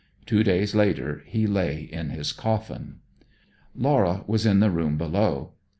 Two days later he lay in his coffin. Laura was in the room below.